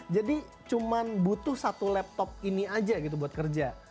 jadi cuma butuh satu laptop ini aja gitu buat kerja